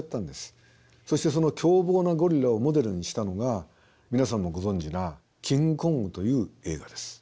そしてその凶暴なゴリラをモデルにしたのが皆さんもご存じな「キングコング」という映画です。